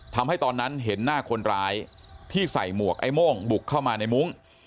ทำให้ตอนนั้นเห็นหน้าคนร้ายที่ใส่หมวกไอ้โม่งบุกเข้ามาในมุ้ง